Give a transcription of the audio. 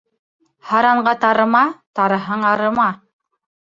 Һаранға тарыма, тарыһаң, арыма.